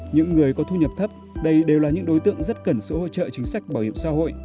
những người có thu nhập thấp đây đều là những đối tượng rất cần sự hỗ trợ chính sách bảo hiểm xã hội